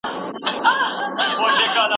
هغه شاګرد ته د څيړني سم جوړښت ور په ګوته کوي.